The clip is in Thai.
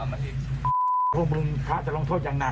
มีแต่ขี้ดิงขี้โค้ง